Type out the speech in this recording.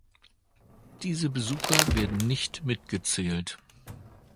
Diese Besucher werden nicht mitgezählt.